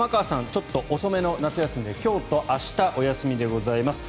ちょっと遅めの夏休みで今日と明日お休みでございます。